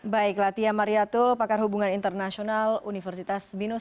baiklah tia mariatul pakar hubungan internasional universitas minus